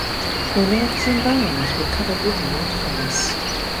Her legs and arms were covered with red feathers.